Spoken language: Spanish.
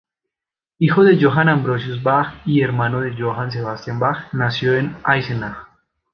Hijo de Johann Ambrosius Bach y hermano de Johann Sebastian Bach, nació en Eisenach.